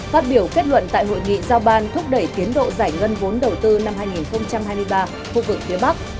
phát biểu kết luận tại hội nghị giao ban thúc đẩy tiến độ giải ngân vốn đầu tư năm hai nghìn hai mươi ba khu vực phía bắc